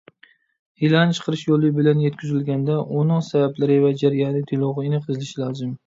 ئېلان چىقىرىش يولى بىلەن يەتكۈزۈلگەندە، ئۇنىڭ سەۋەبلىرى ۋە جەريانى دېلوغا ئېنىق يېزىلىشى لازىم.